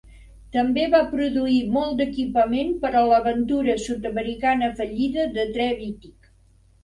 També va produir molt d'equipament per a l'aventura sud-americana fallida de Trevithick.